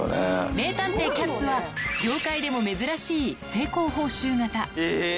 名探偵キャッツは、業界でも珍しい、成功報酬型。